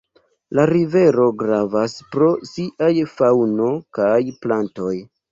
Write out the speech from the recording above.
La rivero gravas pro siaj faŭno kaj plantoj.